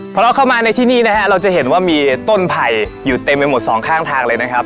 พอเราเข้ามาในที่นี่นะฮะเราจะเห็นว่ามีต้นไผ่อยู่เต็มไปหมดสองข้างทางเลยนะครับ